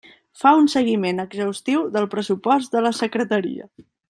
Fa un seguiment exhaustiu del pressupost de la Secretaria.